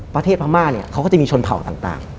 ประเทศพรรมาเนี่ยก็จะมีชนเผาต่าง